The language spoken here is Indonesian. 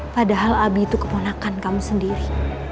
padahal abi itu keponakan kamu sendiri